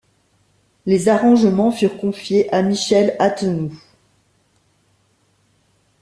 Les arrangements furent confiés à Michel Attenoux.